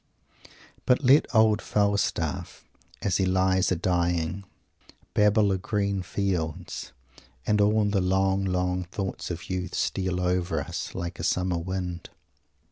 But let old Falstaff, as he lies a' dying, "babble o' green fields," and all the long, long thoughts of youth steal over us, like a summer wind.